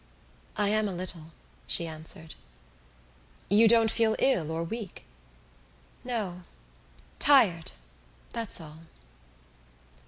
"I am a little," she answered. "You don't feel ill or weak?" "No, tired: that's all."